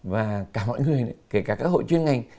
và cả mọi người kể cả các hội chuyên ngành